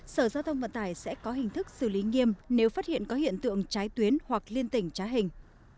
sở giao thông vận tải sẽ có hình thức xử lý nghiêm nếu phát hiện có hiện tượng trái tuyến hoặc liên tỉnh trái hình